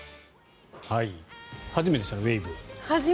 初めてでしたねウェーブ。